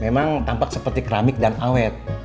memang tampak seperti keramik dan awet